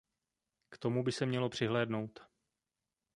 K tomu by se mělo přihlédnout.